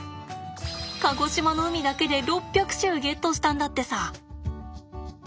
鹿児島の海だけで６００種ゲットしたんだってさ。